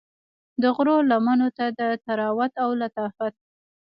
د غرو لمنو ته د طراوت او لطافت